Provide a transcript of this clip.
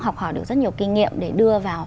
học hỏi được rất nhiều kinh nghiệm để đưa vào